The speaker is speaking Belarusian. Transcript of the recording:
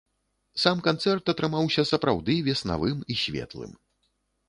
Сам канцэрт атрымаўся сапраўды веснавым і светлым.